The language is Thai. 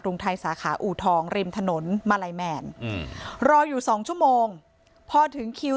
รุงไทยสาขาอูทองริมถนนมาลัยแมนรออยู่๒ชั่วโมงพอถึงคิว